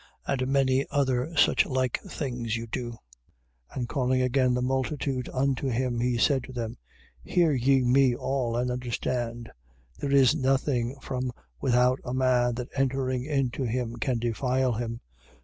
And many other such like things you do. 7:14. And calling again the multitude unto him, he said to them: Hear ye me all and understand. 7:15. There is nothing from without a man that entering into him can defile him.